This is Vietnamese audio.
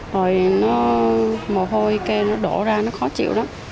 rồi nó mồ hôi kê nó đổ ra nó khó chịu đó